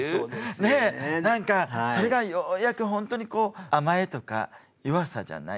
ね何かそれがようやくほんとにこう甘えとか弱さじゃない